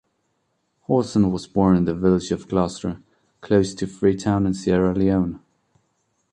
Horton was born in the village of Gloucester, close to Freetown in Sierra Leone.